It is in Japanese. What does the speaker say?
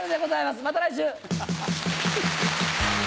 また来週！